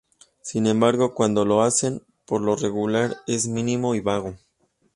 Sin embargo, cuando lo hacen, por lo regular es mínimo y vago.